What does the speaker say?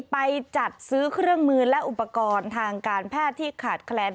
ไปจัดซื้อเครื่องมือและอุปกรณ์ทางการแพทย์ที่ขาดแคลน